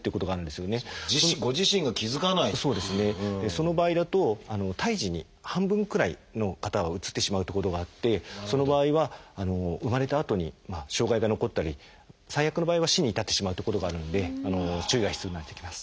その場合だと胎児に半分くらいの方はうつってしまうってことがあってその場合は生まれたあとに障害が残ったり最悪の場合は死に至ってしまうってことがあるので注意が必要になってきます。